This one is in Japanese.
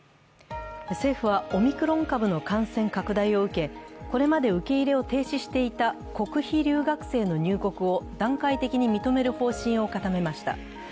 政府はオミクロン株の感染拡大を受けこれまで受け入れを停止していた国費留学生の入国を段階的に認める方針を固めました。